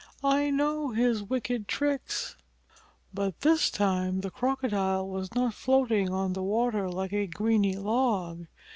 I know his wicked tricks!" But this time the Crocodile was not floating on the water like a greeny log.